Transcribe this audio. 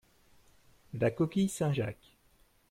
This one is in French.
La coquille Saint-Jacques.